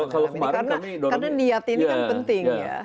karena niat ini kan penting ya